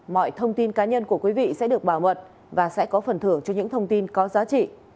mọi thông tin cá nhân của quý vị sẽ được bảo mật và sẽ có phần thưởng cho những thông tin có giá trị